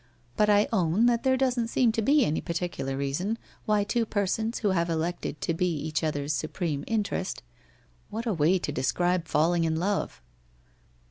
But I own that there doesn't seem to be any particular reason why two persons who have elected to be each other's supreme interest ' 'What a way to describe falling in love!'